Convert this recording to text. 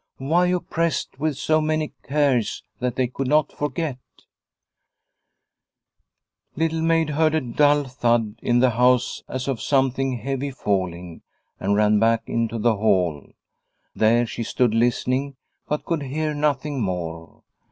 Why oppressed with so many cares that they could not forget ? Little Maid heard a dull thud in the house as of something heavy falling, and ran back into the hall. There she stood listening, but could hear nothing more.